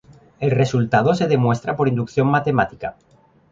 El resultado se demuestra por inducción matemática.